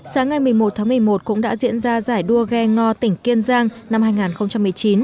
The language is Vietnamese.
sáng ngày một mươi một tháng một mươi một cũng đã diễn ra giải đua ghe ngò tỉnh kiên giang năm hai nghìn một mươi chín